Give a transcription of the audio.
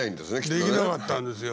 できなかったんですよ。